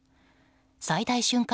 最大瞬間